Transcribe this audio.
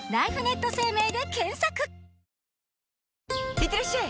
いってらっしゃい！